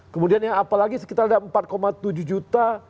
kemudian yang apalagi sekitar ada empat tujuh juta